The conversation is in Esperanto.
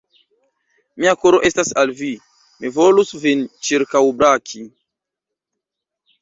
Mia koro estas al vi, mi volus vin ĉirkaŭbraki!